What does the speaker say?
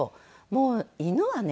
もう犬はね